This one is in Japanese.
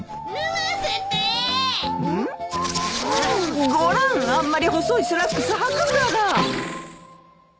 ご覧あんまり細いスラックスはくから！